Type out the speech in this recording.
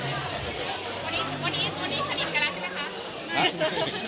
วันนี้สนิทกับเราใช่ไหมคะ